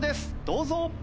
どうぞ。